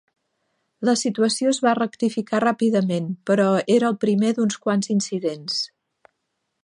La situació es va rectificar ràpidament, però era el primer d'uns quants incidents.